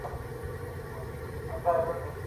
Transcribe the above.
د ټولنیزې هوساینې لپاره تل کار کېده.